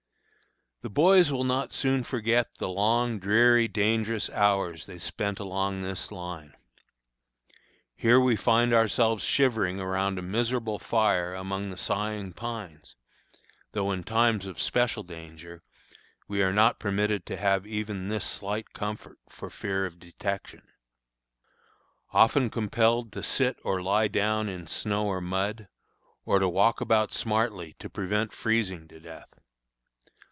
The boys will not soon forget the long, dreary, dangerous hours they spent along this line. Here we find ourselves shivering around a miserable fire among the sighing pines (though in times of special danger we are not permitted to have even this slight comfort, for fear of detection), often compelled to sit or lie down in snow or mud, or to walk about smartly to prevent freezing to death.